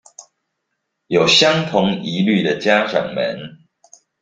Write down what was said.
有相同疑慮的家長們